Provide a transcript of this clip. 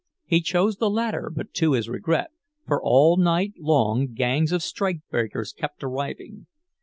He chose the latter, but to his regret, for all night long gangs of strikebreakers kept arriving.